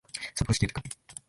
札幌市清田区